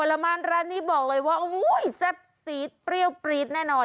ผลไม้ร้านนี้บอกเลยว่าอุ้ยแซ่บสีเปรี้ยวปรี๊ดแน่นอน